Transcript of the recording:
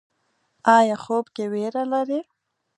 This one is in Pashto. ایا خوب کې ویره لرئ؟